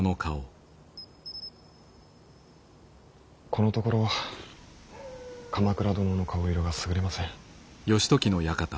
このところ鎌倉殿の顔色がすぐれません。